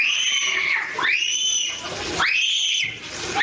เบ็ดสืบหัวพ่าเบ็ดสืบหัวพ่า